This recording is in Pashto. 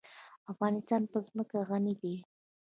افغانستان په ځمکه غني دی.